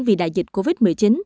tại vì đại dịch covid một mươi chín